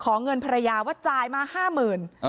ขอเงินภรรยาว่าจ่ายมาห้าหมื่น